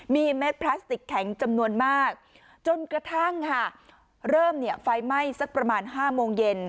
มีเม็ดพลาสติกแข็งจำนวนมากจนกระทั่งค่ะเริ่มเนี่ยไฟไหม้สักประมาณ๕โมงเย็น